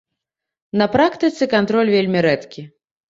На практыцы кантроль вельмі рэдкі.